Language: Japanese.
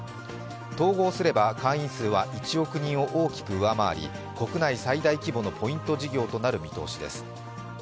統合すれば会員数は１億人を大きく上回り国内最大規模のポイント事業となる見通しです。